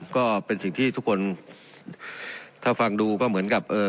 ก็เป็นสิ่งที่ทุกคนถ้าฟังดูก็เหมือนกับเอ่อ